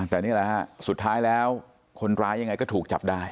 แต่นี่แหละฮะสุดท้ายแล้วคนร้ายยังไงก็ถูกจับได้